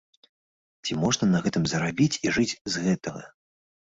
Ці можна на гэтым зарабіць і жыць з гэтага?